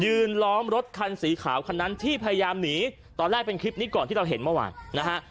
ล้อมรถคันสีขาวคันนั้นที่พยายามหนีตอนแรกเป็นคลิปนี้ก่อนที่เราเห็นเมื่อวานนะฮะ